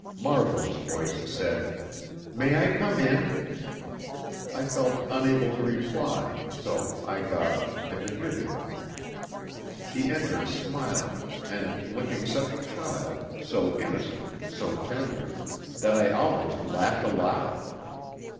Margot's voice said, "May I come in?" I felt unable to reply, so I got up and admitted her. She entered smiling, and looking such a child, so innocent, so tender, that I almost laughed aloud.